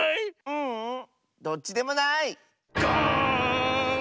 ううんどっちでもない！ガーン！